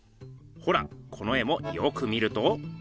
ほらこの絵もよく見ると。